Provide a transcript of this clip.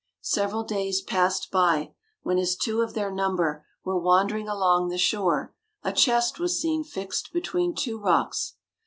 Several days passed by, when as two of their number were wandering along the shore a chest was seen fixed between two rocks.